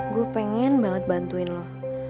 gue pengen banget bantuin lo